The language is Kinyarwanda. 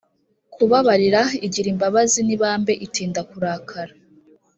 kubabarira igira imbabazi n ibambe itinda kurakara